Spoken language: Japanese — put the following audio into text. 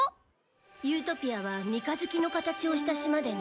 ユートピアは三日月の形をした島でね